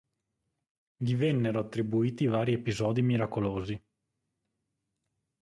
Gli vennero attribuiti vari episodi miracolosi.